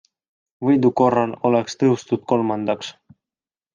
Võidu korral oleks tõustud kolmandaks.